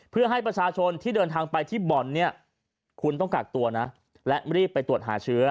เพื่อให้ประชาชนที่เดินทางไปที่บ่อนเนี่ยคุณต้องกักตัวนะและรีบไปตรวจหาเชื้อ